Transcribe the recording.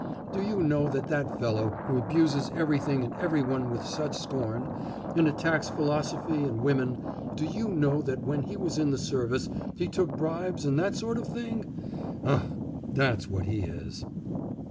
Do you know that that fellow, who abuses everything and every one with such scorn, and attacks philosophy and women, do you know that when he was in the service, he took bribes and that sort of thing! Ugh! That's what he is!